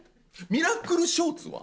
ミラクルショーツは？